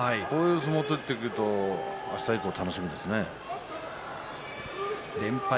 こういう相撲を取っていくと明日以降、楽しみですね。